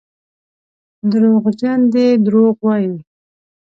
دروغجن دي دروغ وايي.